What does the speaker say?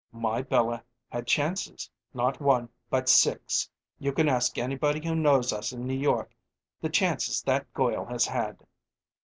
"My Bella's had chances not one, but six. You can ask anybody who knows us in New York the chances that goil has had."